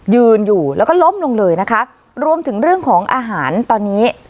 ยืนอยู่แล้วก็ล้มลงเลยนะคะรวมถึงเรื่องของอาหารตอนนี้